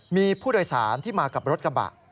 มีผู้โดยสารที่มากับรถกระบะ